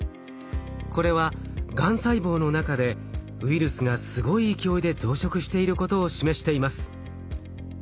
これはがん細胞の中でウイルスがすごい勢いで増殖していることを示しています。